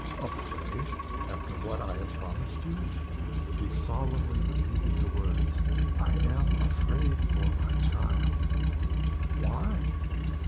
"Afraid? After what I have promised you?" She solemnly repeated the words, "I am afraid for my child." "Why?"